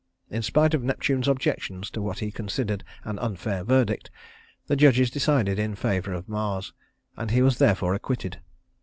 In spite of Neptune's objections to what he considered an unfair verdict, the judges decided in favor of Mars, and he was therefore acquitted.